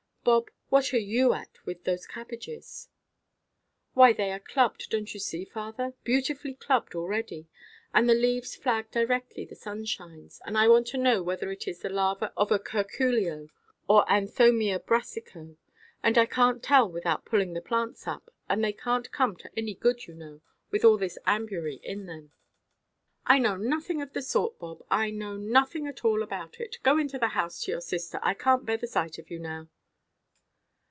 —Bob, what are you at with those cabbages?" "Why, they are clubbed, donʼt you see, father, beautifully clubbed already, and the leaves flag directly the sun shines. And I want to know whether it is the larva of a curculio, or anthomyia brassicæ; and I canʼt tell without pulling the plants up, and they canʼt come to any good, you know, with all this ambury in them." "I know nothing of the sort, Bob. I know nothing at all about it. Go into the house to your sister. I canʼt bear the sight of you now."